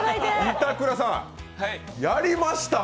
板倉さん、やりましたね！